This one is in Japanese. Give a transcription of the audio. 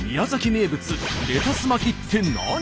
名物レタス巻って何？